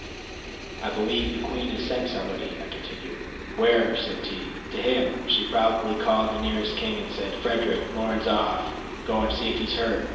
"I believe the Queen sent somebody," I continued. "Where?" said T . "To him. She probably called the nearest king and said: 'Frederick, Lorne's off. Go and see if he's hurt.'"